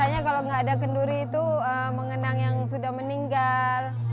biasanya kalau nggak ada kenduri itu mengenang yang sudah meninggal